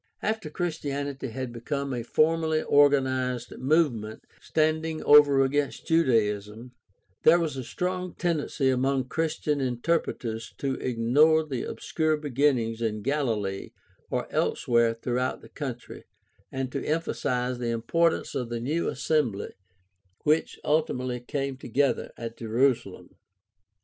After Christianity had become a formally organized move ment standing over against Judaism, there was a strong tendency among Christian interpreters to ignore the obscure beginnings in Galilee or elsewhere throughout the country and to emphasize the importance of the new assembly which ultimately came together at Jerusalem.